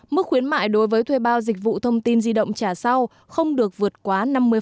mức khuyến mại đối với thuê bao dịch vụ thông tin di động trả sau không được vượt quá năm mươi